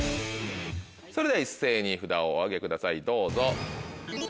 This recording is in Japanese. それでは一斉に札をお上げくださいどうぞ。